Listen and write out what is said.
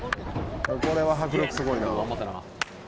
これは迫力すごいな。